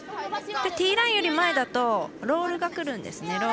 ティーラインより前だとロールがくるんですね。